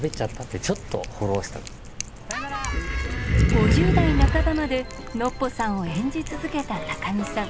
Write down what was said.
５０代半ばまでノッポさんを演じ続けた高見さん。